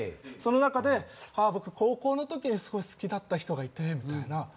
その中でああ僕高校のときにすごい好きだった人がいてみたいな。